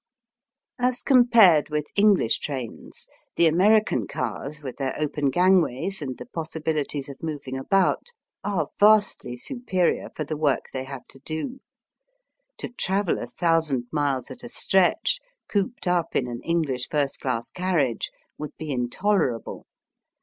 As compared with Enghsh trains, the American cars, with their open gangways and the possibilities of moving about, are vastly superior for the work they have to do. To travel a thousand miles at a stretch cooped up in an English first class carriage would be intolerable.